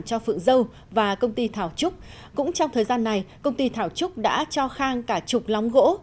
cho phượng dâu và công ty thảo trúc cũng trong thời gian này công ty thảo trúc đã cho khang cả chục lóng gỗ